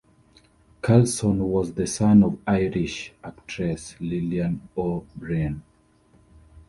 Karlson was the son of Irish actress Lillian O'Brien.